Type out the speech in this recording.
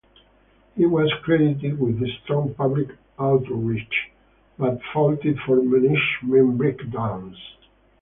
He was credited with strong public outreach, but faulted for management breakdowns.